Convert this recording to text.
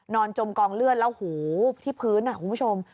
จมกองเลือดแล้วหูที่พื้นคุณผู้ชม